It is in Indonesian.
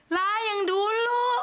lah yang dulu